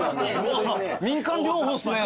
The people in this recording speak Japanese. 民間療法っすね。